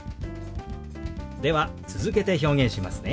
では続けて表現しますね。